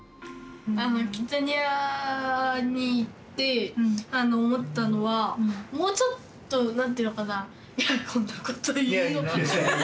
キッザニアに行って思ったのはもうちょっと何ていうのかないやこんなこと言うのは。